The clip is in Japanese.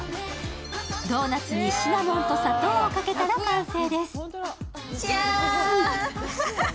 ドーナツにシナモンと砂糖をかけたら完成です。